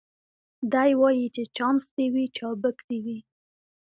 دی وايي چي چانس دي وي چابک دي وي